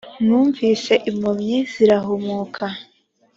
mwumvise impumyi zirahumuka,